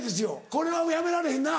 これはやめられへんな。